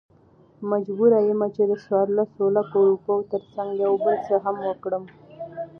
مجبور يم چې دڅورلسو لکو، روپيو ترڅنګ يو بل څه هم وکړم .